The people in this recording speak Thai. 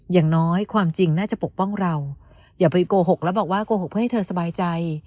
อย่างน้อยความจริงน่าจะปกป้องเราอย่าไปโกหกแล้วบอกว่าโกหกเพื่อให้เธอสบายใจ